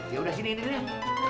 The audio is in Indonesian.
ya udah sini ini deh